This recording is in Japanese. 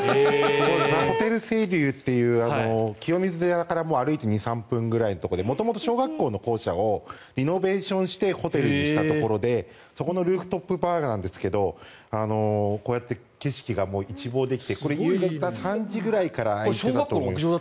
ザ・ホテル青龍という清水寺から歩いて２３分ぐらいのところで小学校の校舎をリノベーションしてホテルにしたところでそこのルーフトップバーなんですがこうやって景色が一望できて３時ぐらいからライトアップが。